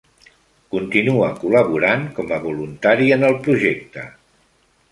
Continua col·laborant com a voluntari en el projecte.